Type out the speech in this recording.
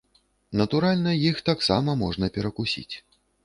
Натуральна, іх таксама можна перакусіць.